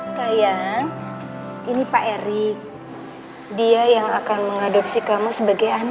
saya ini pak erik dia yang akan mengadopsi kamu sebagai anak